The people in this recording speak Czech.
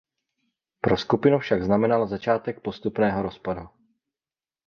Pro skupinu však znamenala začátek postupného rozpadu.